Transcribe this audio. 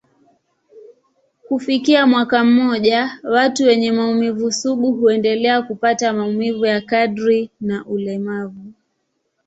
Kufikia mwaka mmoja, watu wenye maumivu sugu huendelea kupata maumivu ya kadri na ulemavu.